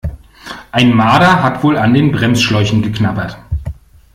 Ein Marder hat wohl an den Bremsschläuchen geknabbert.